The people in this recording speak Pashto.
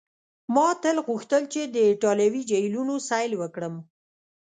ما تل غوښتل چي د ایټالوي جهیلونو سیل وکړم.